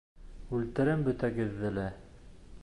Үлтерәм бөтәгеҙҙе лә!